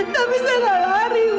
tapi saya tidak lari bu